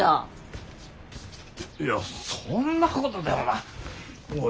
いやそんなことてお前